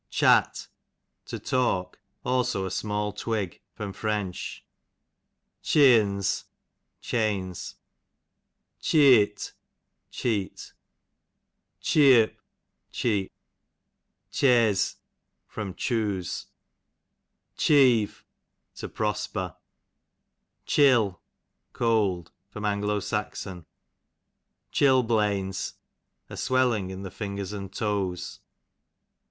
Chat, to talk; also a small twig. Fr. Cheeons, chains. Cheeot, cheat. Cheeop, cheap. Chez, from chuse. Chieve, to prosper. Chill, cold. A. S. Chill blains, a swelling in the fingers and toes.